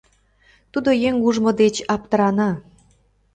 Тудо еҥ ужмо деч аптырана.